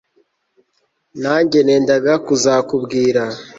nanjye nendaga kuzakubwira